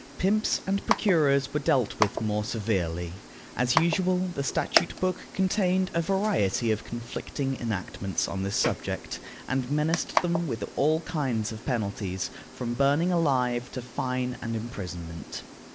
Pimps and procurers were dealt with more severely. As usual, the statute book contained a variety of conflicting enactments on this subject, and menaced them with all kinds of penalties, from burning alive to fine and imprisonment.